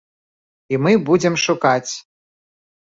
І мы будзем шукаць!